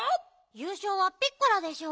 ゆうしょうはピッコラでしょ？